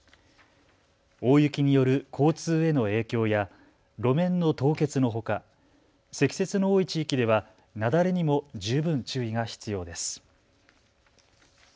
大雪による交通への影響や路面の凍結のほか積雪の多い地域では雪崩にも十分注意が必要です。